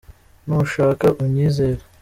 nushaka unyizere